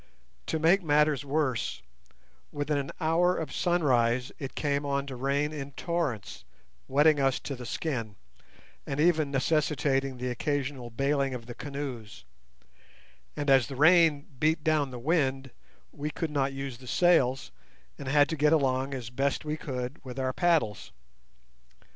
To make matters worse, within an hour of sunrise it came on to rain in torrents, wetting us to the skin, and even necessitating the occasional baling of the canoes, and as the rain beat down the wind we could not use the sails, and had to get along as best as we could with our paddles.